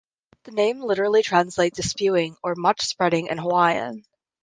The name literally translates to "spewing" or '"much spreading" in Hawaiian.